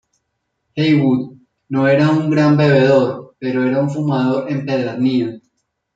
Heywood no era un gran bebedor, pero era un fumador empedernido.